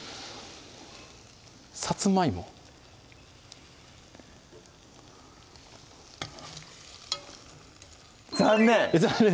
さつまいも残念！